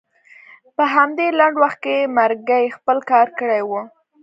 په همدې لنډ وخت کې مرګي خپل کار کړی و.